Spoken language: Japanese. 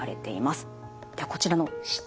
ではこちらの下。